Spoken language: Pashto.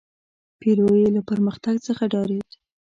پیرو یې له پرمختګ څخه ډارېد.